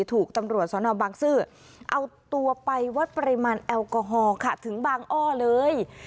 ถูกตำรวจสนบางซื่อเอาตัวไปวัดปริมาณแอลกอฮอล์ค่ะถึงบางอ้อเลย